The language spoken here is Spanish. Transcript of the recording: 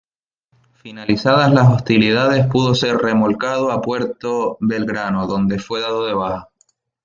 Finalizadas las hostilidades pudo ser remolcado a Puerto Belgrano donde fue dado de baja.